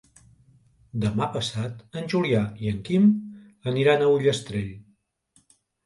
Demà passat en Julià i en Quim aniran a Ullastrell.